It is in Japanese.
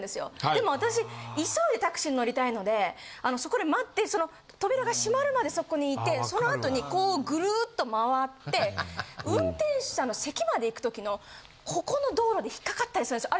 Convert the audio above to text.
でも私急いでタクシーに乗りたいのでそこで待ってその扉が閉まるまでそこにいてそのあとにこうグルッと回って運転手さんの席まで行く時のここの道路で引っかかったりするんですよ。